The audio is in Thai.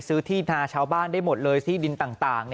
ที่นาชาวบ้านได้หมดเลยที่ดินต่าง